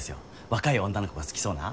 若い女の子が好きそうな。